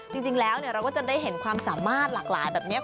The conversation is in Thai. จริงแล้วเราก็จะได้เห็นความสามารถหลากหลายแบบนี้